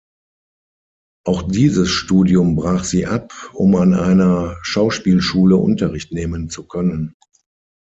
Auch dieses Studium brach sie ab, um an einer Schauspielschule Unterricht nehmen zu können.